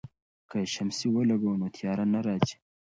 که شمسی ولګوو نو تیاره نه راځي.